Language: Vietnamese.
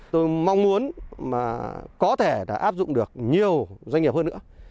tôi mong muốn mà có thể đã áp dụng được nhiều doanh nghiệp hơn nữa